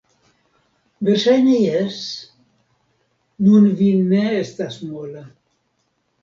Verŝajne jes... nun vi ne estas mola